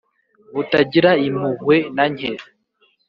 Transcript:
butagira impuhwe na nke